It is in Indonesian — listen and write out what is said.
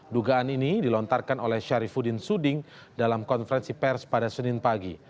dugaan ini dilontarkan oleh syarifudin suding dalam konferensi pers pada senin pagi